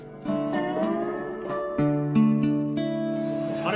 あれ？